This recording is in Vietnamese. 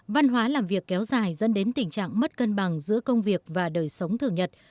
văn hóa làm việc kéo dài dẫn đến tình trạng mất cân bằng giữa công việc và đời sống thường nhật